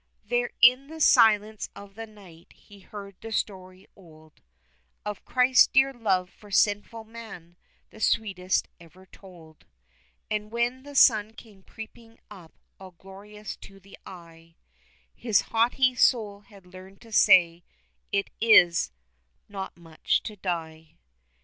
There, in the silence of the night he heard the story old, Of Christ's dear love for sinful man, the sweetest ever told; And when the sun came creeping up all glorious to the eye, His haughty soul had learned to say, "It is not much to die."